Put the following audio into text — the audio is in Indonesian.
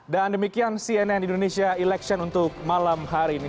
dan demikian cnn indonesia election untuk malam hari ini